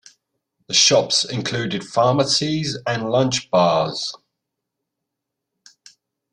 The shops included pharmacies, and lunch bars.